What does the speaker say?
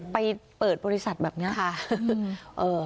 ไปเปิดบริษัทแบบนี้ค่ะ